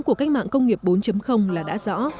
của cách mạng công nghiệp bốn là đã rõ